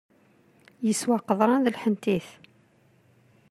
Yeswa qeḍran d lḥentit.